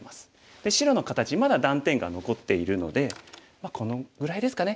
で白の形まだ断点が残っているのでこのぐらいですかね。